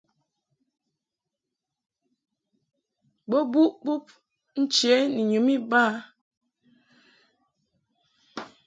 Bo buʼ bub nche ni nyum iba.